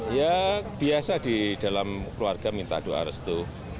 ya biasa di dalam keluarga minta doa restu